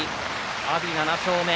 阿炎７勝目。